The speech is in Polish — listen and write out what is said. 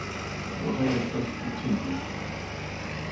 Możemy coś uczynić